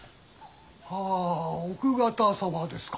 はぁ奥方様ですか？